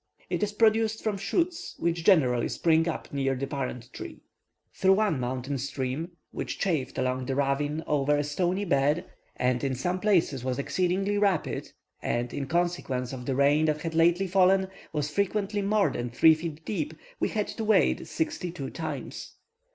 It is produced from shoots, which generally spring up near the parent tree. Through one mountain stream, which chafed along the ravine over a stony bed, and in some places was exceedingly rapid, and, in consequence of the rain that had lately fallen, was frequently more than three feet deep, we had to wade sixty two times.